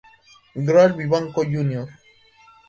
GraL Vivanco, Jr.